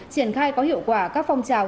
triển khai có hiệu quả các phong trào